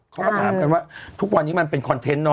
เขาก็ถามกันว่าทุกวันนี้มันเป็นคอนเทนต์เนอ